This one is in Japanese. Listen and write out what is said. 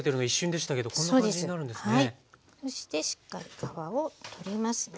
そしてしっかり皮を取りますね。